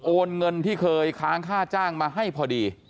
เงินที่เคยค้างค่าจ้างมาให้พอดี